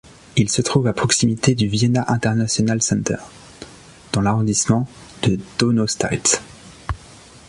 Il se trouve à proximité du Vienna International Centre, dans l'arrondissement de Donaustadt.